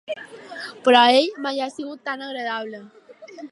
Però ell mai ha sigut tan agradable.